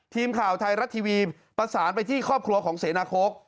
ทีมข่าวไทยรัฐทีวีประสานไปที่ครอบครัวของเสนาโค้ก